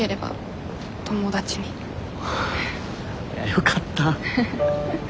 よかった。